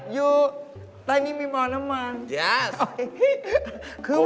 อยู่ใต้นี่มีหมอน้ำมาก